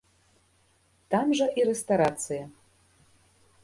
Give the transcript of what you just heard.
Там жа і рэстарацыя.